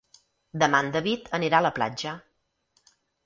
Demà en David anirà a la platja.